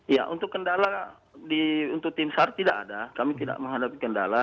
ya untuk kendala untuk tim sar tidak ada kami tidak menghadapi kendala